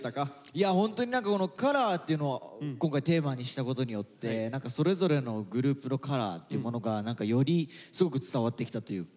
いやホントに何か「ＣＯＬＯＲ」っていうのを今回テーマにしたことによって何かそれぞれのグループのカラーっていうものが何かよりすごく伝わってきたというか。